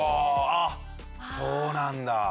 あっそうなんだ。